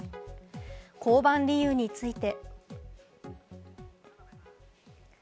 降板理由について。